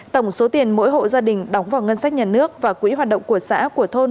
tổng số tiền mỗi hộ gia đình đóng vào ngân sách nhà nước và quỹ hoạt động của xã của thôn